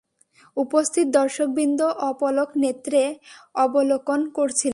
উপস্থিত দর্শকবৃন্দ অপলক নেত্রে অবলোকন করছিল।